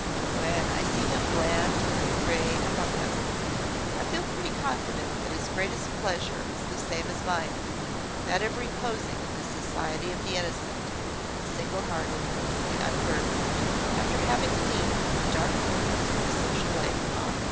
When I see him bland and gay amongst us, I feel pretty confident that his greatest pleasure is the same as mine, that of reposing in the society of the innocent, the single hearted, the unburdened, after having seen what the dark corners of social life are.